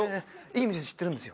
いい店知ってるんですよ。